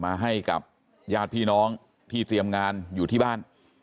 มาให้กับญาติพี่น้องที่เตรียมงานอยู่ที่บ้าน